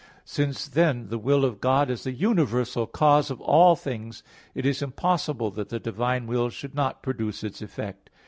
Since, then, the will of God is the universal cause of all things, it is impossible that the divine will should not produce its effect.